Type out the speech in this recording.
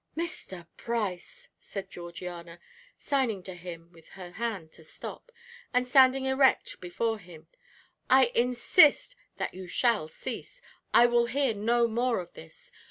"Mr. Price," said Georgiana, signing to him with her hand to stop, and standing erect before him, "I insist that you shall cease. I will hear no more of this.